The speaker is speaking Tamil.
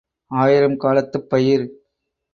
ஆயிரம் காலத்துப் பயிர்.